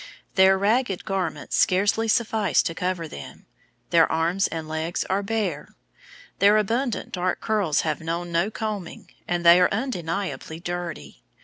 Their ragged garments scarcely suffice to cover them; their arms and legs are bare; their abundant dark curls have known no combing, and they are undeniably dirty.